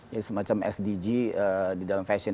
ya semacam sdg di dalam fashion